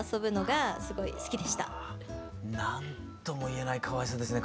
何とも言えないかわいさですね。